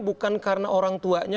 bukan karena orang tuanya